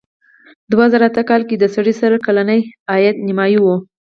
دوه زره اته کال کې د سړي سر کلنی عاید نیمايي و.